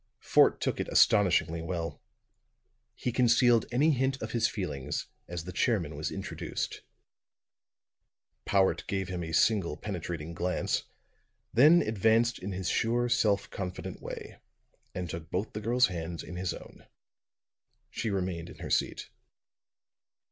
Fort took it astonishingly well. He concealed any hint of his feelings as the chairman was introduced. Powart gave him a single penetrating glance, then advanced in his sure, self confident way, and took both the girl's hands in his own. She remained in her seat.